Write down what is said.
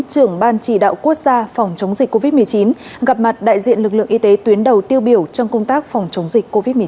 trưởng ban chỉ đạo quốc gia phòng chống dịch covid một mươi chín gặp mặt đại diện lực lượng y tế tuyến đầu tiêu biểu trong công tác phòng chống dịch covid một mươi chín